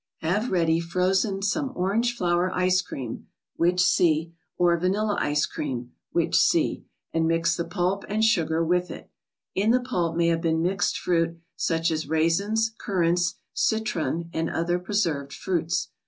Have ready frozen some Orange flower Ice Cream (which see), or "Vanilla Ice Cream" (which see), and mix the pulp and sugar with it. In the pulp may have been mixed fruit, such as raisins, currants, citron, and other preserved fruits.